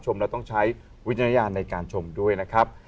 เราต้องใช้วิจารณญาณในการชมด้วยนะครับ